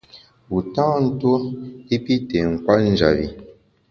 Wu tâ ntuo i pi tê nkwet njap bi.